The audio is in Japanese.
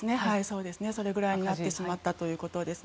そのぐらいになってしまったということです。